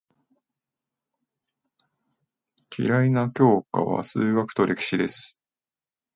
嫌いな教科は数学と歴史です。